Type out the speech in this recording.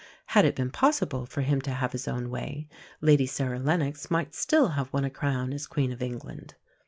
Had it been possible for him to have his own way, Lady Sarah Lennox might still have won a crown as Queen of England.